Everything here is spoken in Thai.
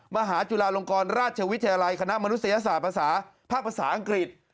มหาจุฬาลงกรราชวิทยาลัยคณะมนุษยศาสตร์ภาษาภาคภาษาอังกฤษ